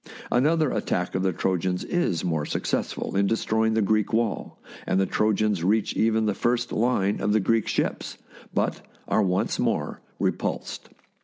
Another attack of the Trojans is more success ful in destroying the Greek wall, and the Trojans reach even the first line of the Greek ships, but are once more repulsed.